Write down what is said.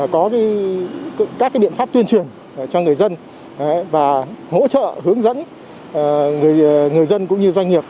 có các biện pháp tuyên truyền cho người dân và hỗ trợ hướng dẫn người dân cũng như doanh nghiệp